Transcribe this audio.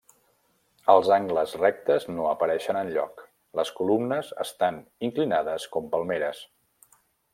Els angles rectes no apareixen enlloc: les columnes estan inclinades com palmeres.